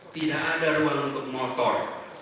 tidak ada ruang untuk motor